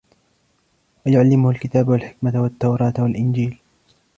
وَيُعَلِّمُهُ الْكِتَابَ وَالْحِكْمَةَ وَالتَّوْرَاةَ وَالْإِنْجِيلَ